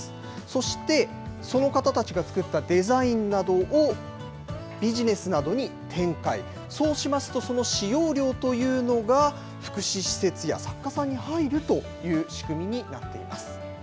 そして、その方たちが作ったデザインなどを、ビジネスなどに展開、そうしますと、その使用料というのが、福祉施設や作家さんに入るという仕組みになっています。